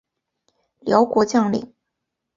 辽国将领。